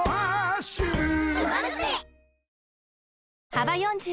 幅４０